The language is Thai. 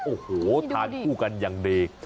โอ้โหทานคู่กันอย่างดี